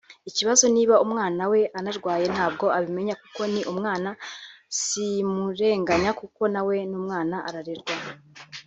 Ikibazo niba umwana we anarwaye ntabwo abimenya kuko ni umwana simurenganya kuko nawe n’umwana ararerwa